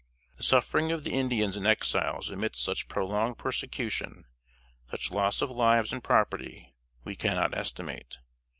The suffering of the Indians and Exiles amidst such prolonged persecution, such loss of lives and property, we cannot estimate.